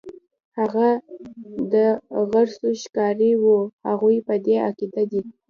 هغه د غرڅو ښکاري وو، هغوی په دې عقیده دي.